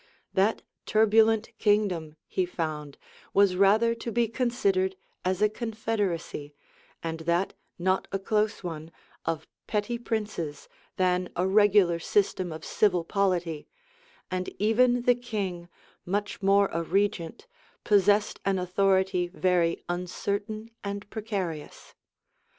That turbulent kingdom, he found, was rather to be considered as a Confederacy, and that not a close one, of petty princes, than a regular system of civil polity; and even the king, much more a regent, possessed an authority very uncertain and precarious.